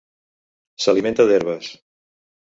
S'alimenta d'herbes.